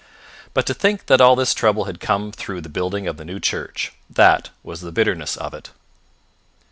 But to think that all this trouble had come through the building of the new church. That was the bitterness of it.